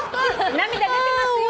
涙出てますよ。